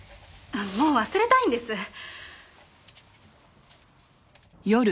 もう忘れたいんです！